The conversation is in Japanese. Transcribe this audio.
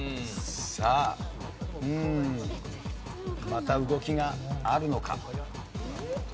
さあまた動きがあるのか？